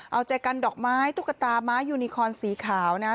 เอาใจกันดอกไม้ตุ๊กตาม้ายูนิคอนสีขาวนะฮะ